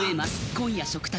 今夜食卓で。